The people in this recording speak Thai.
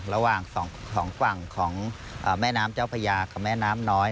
ระหว่างสองฝั่งของแม่น้ำเจ้าพญากับแม่น้ำน้อย